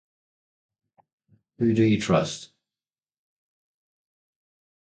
Who Do You Trust?